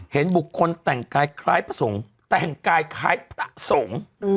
เห็นบุคคลแต่งกายคล้ายพระสงฆ์แต่งกายคล้ายพระสงฆ์